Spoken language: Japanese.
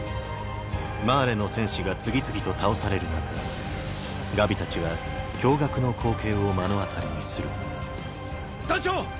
マーレの戦士が次々と倒される中ガビたちは驚愕の光景を目の当たりにする団長！！